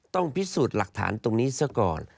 ต้องพิสูจน์หลักฐานตรงนี้ซะก่อน